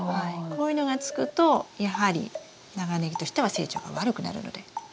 こういうのがつくとやはり長ネギとしては成長が悪くなるので。